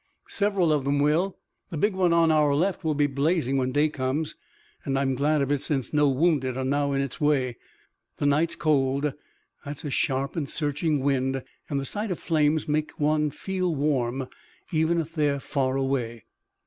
"Several of 'em will. The big one on our left will be blazing when day comes, and I'm glad of it since no wounded are now in its way. The night's cold. That's a sharp and searching wind, and the sight of flames makes one feel warm even if they are far away."